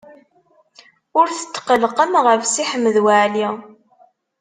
Ur tetqellqem ɣef Si Ḥmed Waɛli.